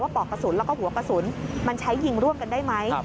ปอกกระสุนแล้วก็หัวกระสุนมันใช้ยิงร่วมกันได้ไหม